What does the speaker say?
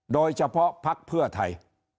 โดยเฉพาะภักดิ์เพื่อไทย